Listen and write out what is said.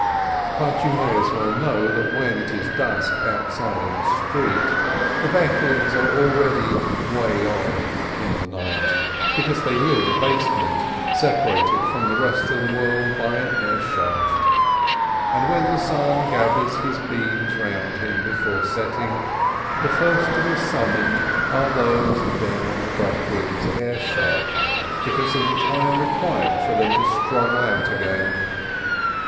But you may as well know that when it is dusk outside in the street, the Breklins are already "way on" in the night, because they live in a basement, separated from the rest of the world by an air shaft, and when the sun gathers his beams round him be fore setting, the first to be summoned are those down the Breklins' shaft, because of the time required for them to struggle out again.